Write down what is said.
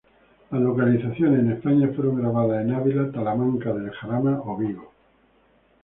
Las localizaciones en España fueron grabadas en Ávila, Talamanca del Jarama o Vigo.